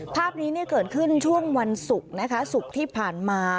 ภาพนี้เกิดขึ้นช่วงวันศุกร์นะคะศุกร์ที่ผ่านมา